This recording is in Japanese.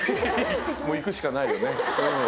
もう行くしかないよね